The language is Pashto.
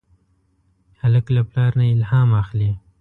هلک له پلار نه الهام اخلي.